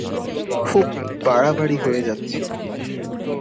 খুব বাড়াবাড়ি হয়ে যাচ্ছে।